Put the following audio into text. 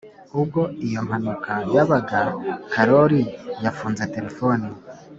ubwo iyo mpanuka yabaga karori yafunze telefoni.